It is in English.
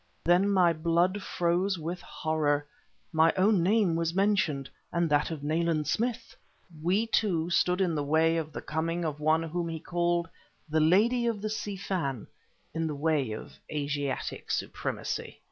Then my blood froze with horror. My own name was mentioned and that of Nayland Smith! We two stood in the way of the coming of one whom he called the Lady of the Si Fan, in the way of Asiatic supremacy.